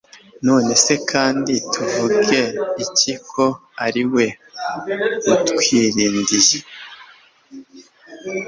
none se kandi tuvuge iki ko ariwe utwirindiye